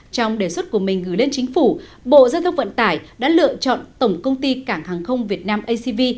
trong đề xuất của mình gửi lên chính phủ bộ giao thông vận tải đã lựa chọn tổng công ty cảng hàng không việt nam acv